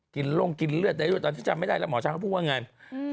กินร่งกินเลือดได้ดูตอนที่จำไม่ได้แล้วหมอช้างก็พูดว่าอย่างไร